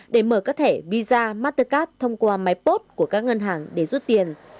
để mở các thẻ visa mastercard thông qua máy pot của các ngân hàng để rút tiền